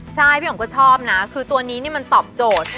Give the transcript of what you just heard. ใช่พี่อ๋อมก็ชอบนะคือตัวนี้มันตอบโจทย์